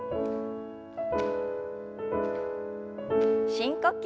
深呼吸。